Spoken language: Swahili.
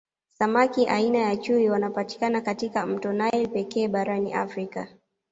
Samaki aina ya chui wanapatikana katika mto naili pekee barani Africa